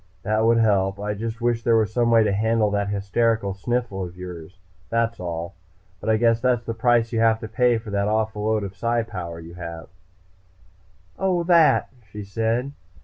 "That would help. I just wish there was some way to handle that hysterical sniffle of yours, that's all. But I guess that's the price you have to pay for that awful load of Psi power you have." "Oh, that," she said.